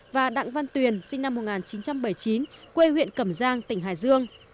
và đặng văn tuyền sinh năm một nghìn chín trăm bảy mươi chín quê huyện cẩm giang tỉnh hải dương